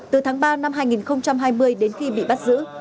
từ tháng ba năm hai nghìn hai mươi đến khi bị bắt giữ